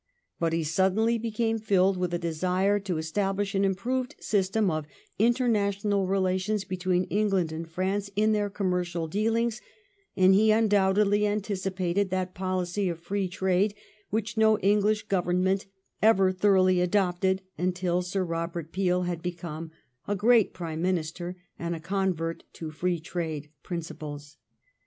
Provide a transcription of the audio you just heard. But he suddenly became filled with a desire to establish an improved system of international relations between England and France in their commercial dealings, and he undoubtedly an ticipated that policy of Free Trade which no English Government ever thoroughly adopted until Sir Eobert Peel had become a great Prime Minister and a con vert to Free Trade principles.